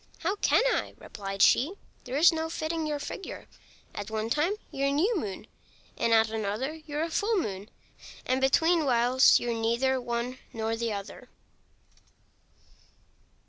"How can I?" replied she; "there's no fitting your figure. At one time you're a New Moon, and at another you're a Full Moon; and between whiles you're neither one nor the other."